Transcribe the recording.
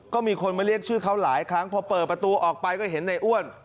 ก็มีคนมาเรียกชื่อเขาหลายครั้งพอเปิดประตูออกไปก็เห็นในอ้วน